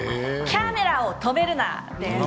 「キャメラを止めるな！」。